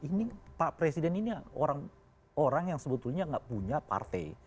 ini pak presiden ini orang yang sebetulnya nggak punya partai